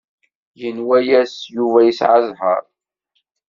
Yenwa-yas Yuba yesɛa zzheṛ.